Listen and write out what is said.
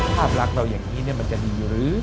ภาพเรื่องรักของเราก็จะดีเยอะ